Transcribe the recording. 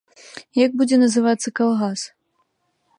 Як будзе называцца калгас?